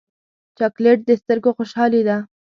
چاکلېټ د سترګو خوشحالي ده.